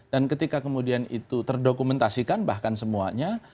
dan ketika kemudian itu terdokumentasikan bahkan semuanya